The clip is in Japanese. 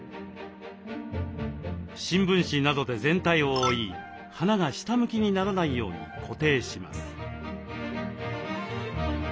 新聞紙などで全体を覆い花が下向きにならないように固定します。